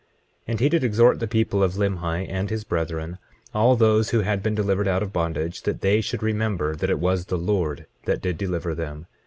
25:16 And he did exhort the people of Limhi and his brethren, all those that had been delivered out of bondage, that they should remember that it was the Lord that did deliver them.